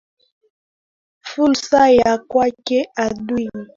fulsa ya kwake edwin davidi deketela kunako magazeti karibu sana